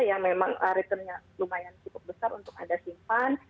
yang memang returnnya lumayan cukup besar untuk anda simpan